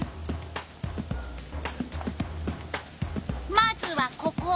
まずはここ！